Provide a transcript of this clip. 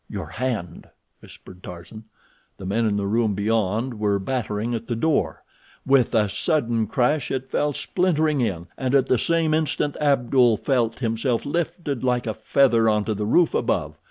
"Your hand," whispered Tarzan. The men in the room beyond were battering at the door. With a sudden crash it fell splintering in, and at the same instant Abdul felt himself lifted like a feather onto the roof above.